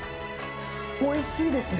おいしいですね。